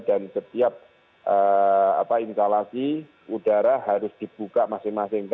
dan setiap instalasi udara harus dibuka masing masing